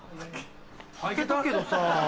はけたけどさ。